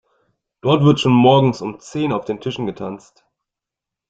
Dort wird schon morgens um zehn auf den Tischen getanzt.